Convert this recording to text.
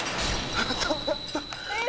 やったー！